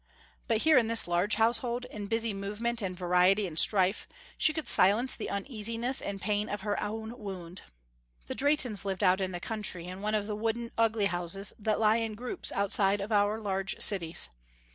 But here in this large household, in busy movement and variety in strife, she could silence the uneasiness and pain of her own wound. The Drehtens lived out in the country in one of the wooden, ugly houses that lie in groups outside of our large cities.